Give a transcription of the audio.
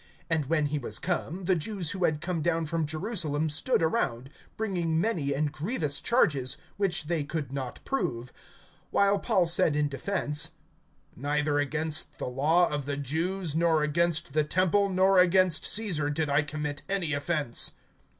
(7)And when he was come, the Jews who had come down from Jerusalem stood around, bringing many and grievous charges, which they could not prove; (8)while Paul said in defense: Neither against the law of the Jews, nor against the temple, nor against Caesar, did I commit any offense.